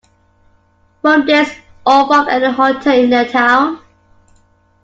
From this or from any hotel in the town?